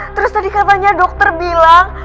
terus tadi katanya dokter bilang